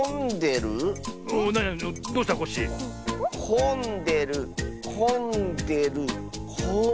こんでるこんでるこん。